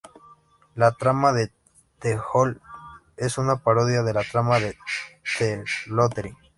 La trama de "The Hole", es una parodia a la trama de "The Lottery".